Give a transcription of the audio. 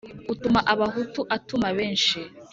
Utuma abahutu atuma benshi.